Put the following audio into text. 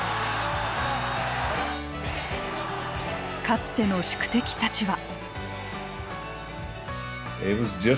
かつての宿敵たちは。